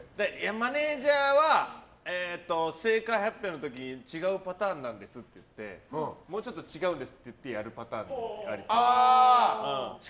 マネジャーは、正解発表の時に違うパターンなんですって言ってもうちょっと違うんですってやるパターンありそう。